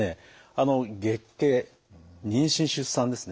あの月経妊娠出産ですね